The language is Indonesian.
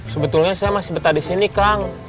sebetulnya saya masih betah disini kang